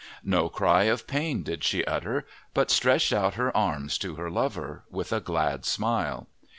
No cry of pain did she utter, but stretched out her arms to her lover, with a glad smile.